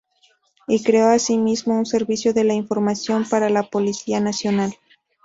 Y creó asimismo un servicio de información para la Policía Nacional.